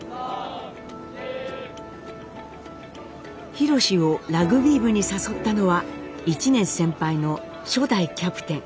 ひろしをラグビー部に誘ったのは１年先輩の初代キャプテン。